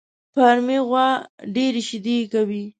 فارمي غوا ډېري شيدې کوي